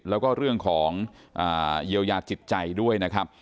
แล้วก็เรื่องของเยียวยาจิตใจด้วยนะครับ